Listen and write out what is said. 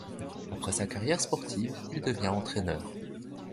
Après sa carrière sportive, il devient entraîneur.